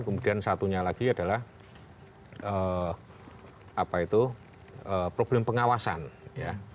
kemudian satunya lagi adalah apa itu problem pengawasan ya